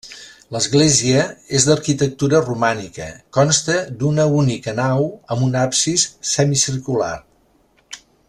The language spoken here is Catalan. L'església és d'arquitectura romànica, consta d'una única nau amb un absis semicircular.